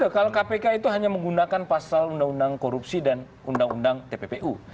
kalau kpk itu hanya menggunakan pasal undang undang korupsi dan undang undang tppu